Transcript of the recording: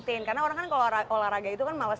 tadi aku gangguin terus makan